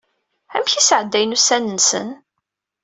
Amek i sɛeddayen ussan-nsen?